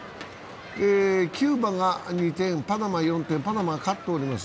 キューバが２点、パナマが４点、パナマが勝っております。